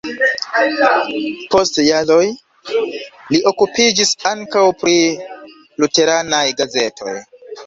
Post jaroj li okupiĝis ankaŭ pri luteranaj gazetoj.